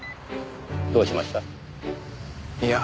どうしました？いや。